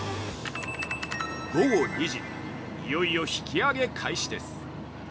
午後２時いよいよ引き揚げ開始です。